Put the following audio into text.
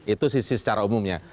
itu sisi secara umumnya